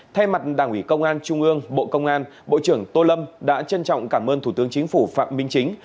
thay mặt đảng ủy công an trung ương bộ công an bộ trưởng tô lâm đã trân trọng cảm ơn thủ tướng chính phủ phạm minh chính